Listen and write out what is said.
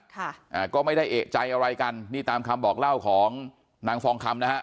อ่าก็ไม่ได้เอกใจอะไรกันนี่ตามคำบอกเล่าของนางฟองคำนะฮะ